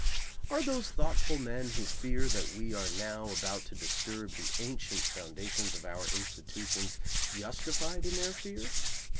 Are those thoughtful men who fear that we are now about to disturb the ancient foundations of our institutions justified in their fear?